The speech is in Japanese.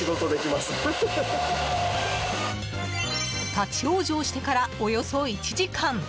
立ち往生してからおよそ１時間。